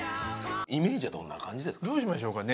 イメージはどんな感じですか？